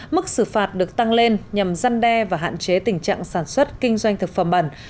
mức xử phạt được tăng lên nhằm gian đe và hạn chế tình trạng sản xuất kinh doanh thực phẩm bẩn